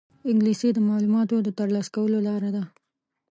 انګلیسي د معلوماتو د ترلاسه کولو لاره ده